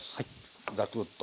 ザクッと。